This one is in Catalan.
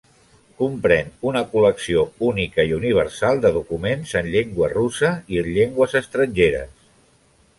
Comprèn una col·lecció única i universal de documents en llengua russa i en llengües estrangeres.